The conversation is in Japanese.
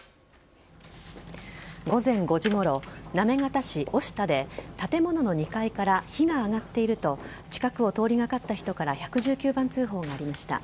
午前５時ごろ、行方市於下で、建物の２階から火が上がっていると、近くを通りがかった人から１１９番通報がありました。